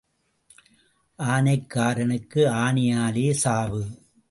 ஆனைக்காரனுக்கு ஆனையாலே சாவு.